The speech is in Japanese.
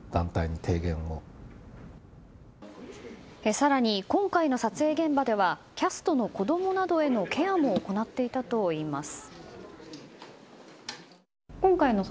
更に今回の撮影現場ではキャストの子供などへのケアも行っていたといいます。